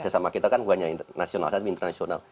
sama kita kan bukan yang nasional tapi internasional